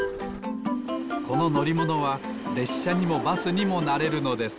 こののりものはれっしゃにもバスにもなれるのです。